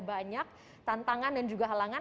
banyak tantangan dan juga halangan